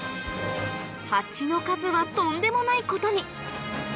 ハチの数はとんでもないことに！